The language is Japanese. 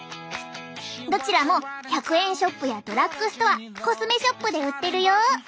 どちらも１００円ショップやドラッグストアコスメショップで売ってるよ。